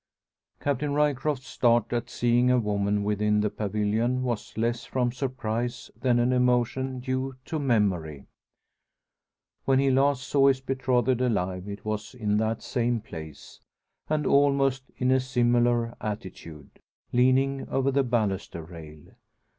Captain Ryecroft's start at seeing: a woman within the pavilion was less from surprise than an emotion due to memory. When he last saw his betrothed alive it was in that same place, and almost in a similar attitude leaning over the baluster rail.